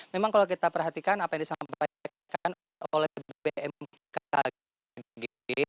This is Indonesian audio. memang kalau kita perhatikan apa yang disampaikan oleh bmkg